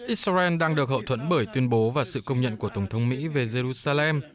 israel đang được hậu thuẫn bởi tuyên bố và sự công nhận của tổng thống mỹ về jerusalem